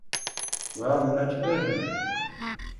The drive bay is usually just big enough for the drive to fit inside.